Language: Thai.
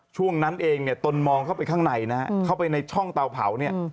ช่วงนั้นเองเนี่ยตนมองเข้าไปข้างในนะฮะเข้าไปในช่องเตาเผาเนี่ย